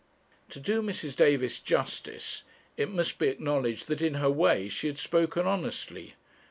To do Mrs. Davis justice, it must be acknowledged that in her way she had spoken honestly.